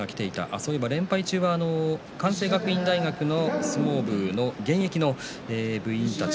そう言えば連敗中は関西学院大学の相撲部の現役の部員たち